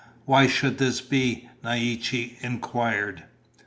"Why should this be?" Naiche inquired.